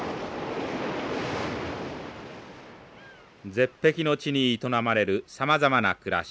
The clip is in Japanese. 絶壁の地に営まれるさまざまな暮らし。